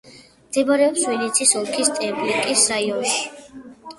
მდებარეობს ვინიცის ოლქის ტეპლიკის რაიონში.